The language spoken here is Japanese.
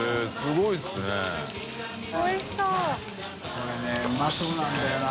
海譴うまそうなんだよな。